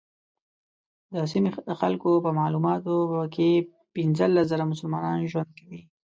د سیمې د خلکو په معلوماتو په کې پنځلس زره مسلمانان ژوند کوي.